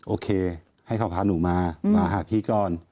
โอเคให้เขาพาหนูมามาหาพี่ก่อน